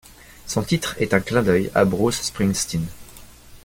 Son titre est un clin d'œil à Bruce Springsteen.